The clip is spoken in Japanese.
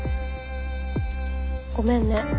ごめんね。